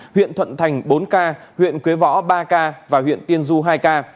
huyện thuận thành bốn ca huyện quế võ ba ca và huyện tiên du hai ca